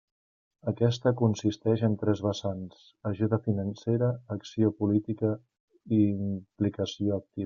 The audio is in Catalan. Aquesta consisteix en tres vessants: ajuda financera, acció política i implicació activa.